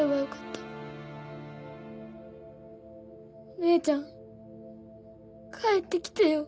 お姉ちゃん帰ってきてよ。